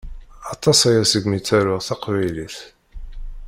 Aṭas aya segmi ttaruɣ taqbaylit.